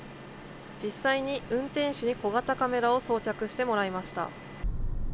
実際に運転手に小型カメラを装着してもらいました。